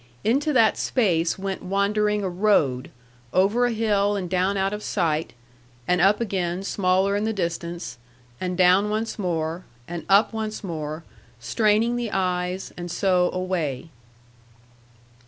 Into that space went wandering a road, over a hill and down out of sight, and up again smaller in the distance, and down once more, and up once more, straining the eyes, and so away.